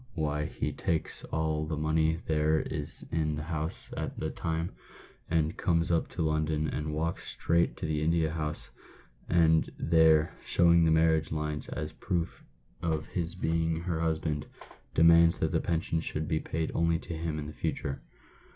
why he takes all the money there is in the house at the time, and comes up to London, and walks straight to the India House, and there, showing the marriage lines as proof of his being her husband, demands that the pension should be paid only to him in future."